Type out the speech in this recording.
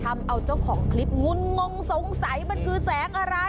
มือบับเหลือมือบับเหลือ